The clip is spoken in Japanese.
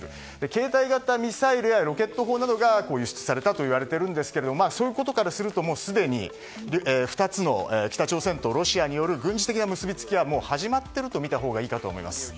携帯型ミサイルやロケット砲などが輸出されたといわれているんですがそういうことからするともうすでに２つの北朝鮮とロシアによる軍事的結びつきは始まっているとみたほうがいいかと思います。